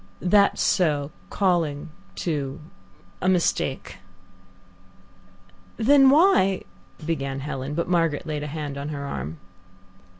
"That's so, calling too a mistake." "Then why ?" began Helen, but Margaret laid a hand on her arm.